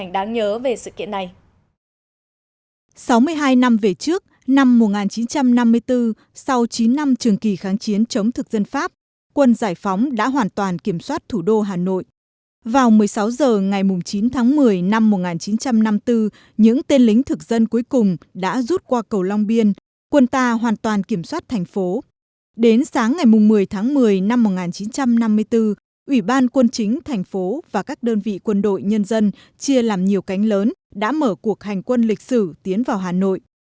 đến sáng ngày một mươi tháng một mươi năm một nghìn chín trăm năm mươi bốn ủy ban quân chính thành phố và các đơn vị quân đội nhân dân chia làm nhiều cánh lớn đã mở cuộc hành quân lịch sử tiến vào hà nội